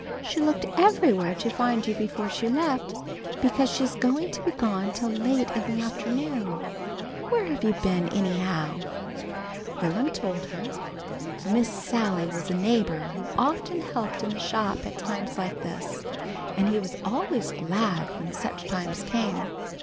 She looked everywhere to find you before she left, because she's going to be gone till late in the afternoon. Where you been, anyhow?" Will'm told her. Miss Sally was a neighbor who often helped in the shop at times like this, and he was always glad when such times came.